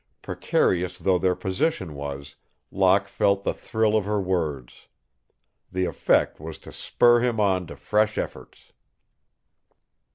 Precarious though their position was, Locke felt the thrill of her words. The effect was to spur him on to fresh efforts.